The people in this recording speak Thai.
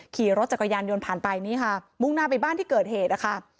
ขี่รถจักรยานยนต์ผ่านไปมุ่งนาไปบ้านที่เกิดเหตุ